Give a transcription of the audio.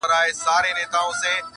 نن جهاني په ستړو منډو رباتونه وهي-